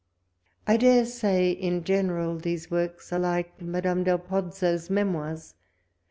I dare say in general, these works are like Madame del Pozzo's Mrmoires.